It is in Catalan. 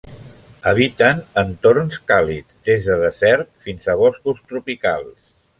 Habiten entorns càlids, des de deserts fins a boscos tropicals.